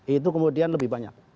itu kemudian lebih banyak